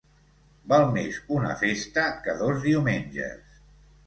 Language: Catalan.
Val més una festa que dos diumenges.